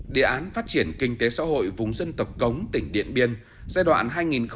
địa án phát triển kinh tế xã hội vùng dân tập cống tỉnh điện biên giai đoạn hai nghìn một mươi một hai nghìn hai mươi